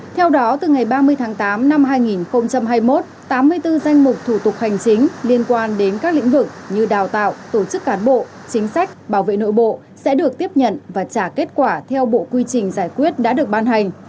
theo đó từ ngày ba mươi tháng tám năm hai nghìn hai mươi một tám mươi bốn danh mục thủ tục hành chính liên quan đến các lĩnh vực như đào tạo tổ chức cán bộ chính sách bảo vệ nội bộ sẽ được tiếp nhận và trả kết quả theo bộ quy trình giải quyết đã được ban hành